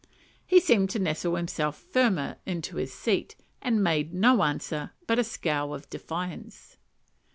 He seemed to nestle himself firmer in his seat, and made no answer but a scowl of defiance.